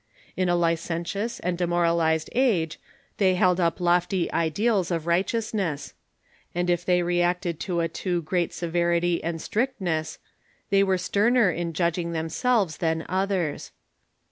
In Leaders ^ licentious and demoralized age they held up lof ty ideals of righteousness ; and if they reacted to a too great severity and strictness, they were sterner in judging them selves than others.